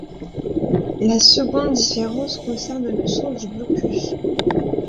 La seconde différence concerne le sens du blocus.